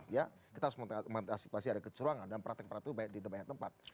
ya kita harus mengantisipasi ada kecurangan dan perhatian perhatian itu di banyak tempat